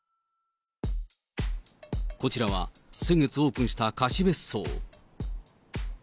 こちらは、先月オープンした貸別荘。